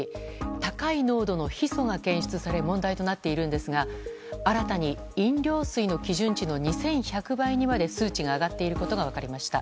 高い濃度のヒ素が検出され問題となっているんですが新たに飲料水の基準値の２１００倍にまで数値が上がっていることが分かりました。